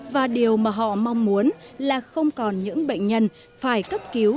và điều mà họ mong muốn là không còn những bệnh nhân phải cấp cứu